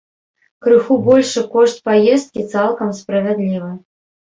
Крыху большы кошт паездкі цалкам справядлівы.